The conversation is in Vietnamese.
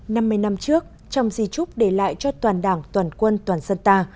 năm mươi năm trước trong di trúc để lại cho toàn đảng toàn quân toàn dân ta